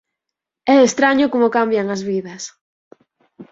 É estraño como cambian as vidas.